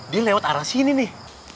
dia lewat arah sini nih